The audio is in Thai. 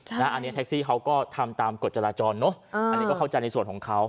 อันนี้แท็กซี่เขาก็ทำตามกฎจราจรเนอะอันนี้ก็เข้าใจในส่วนของเขา